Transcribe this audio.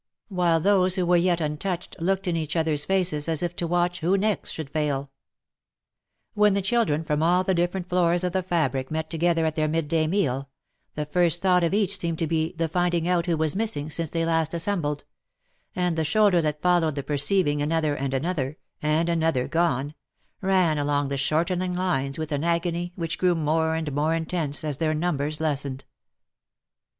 While those who were yet un touched looked in each other's faces as if to watch who next should fail. When the children from all the different floors of the fabric met together at their midday meal, the first thought of each seemed to be the finding out who was missing since last they assembled, and the shudder that followed the perceiving another and another, and another gone, ran along the shortening lines with an agony which grew more and more intense as their numbers lessened.